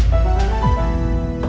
kepala surat malam